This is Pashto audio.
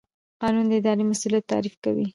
قانون د اداري مسوولیت تعریف کوي.